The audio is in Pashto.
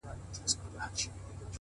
• دلته چي هر خوږمن راغلی نیمه خوا وتلی -